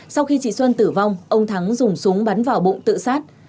sau khi chị xuân tử vong ông thắng dùng súng bắn vào bụng tự sát